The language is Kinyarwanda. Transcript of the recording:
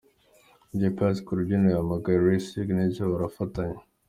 Dj Pius ku rubyiniro yahamagaye Ray Signature barafatanya.